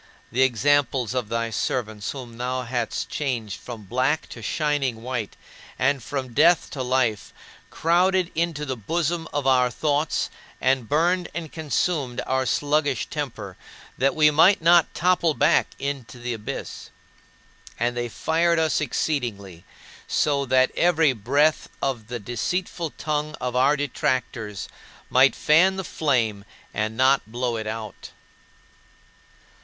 The examples of thy servants whom thou hadst changed from black to shining white, and from death to life, crowded into the bosom of our thoughts and burned and consumed our sluggish temper, that we might not topple back into the abyss. And they fired us exceedingly, so that every breath of the deceitful tongue of our detractors might fan the flame and not blow it out.